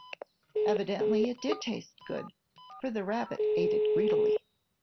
Evidently it did taste good, for the rabbit ate it greedily.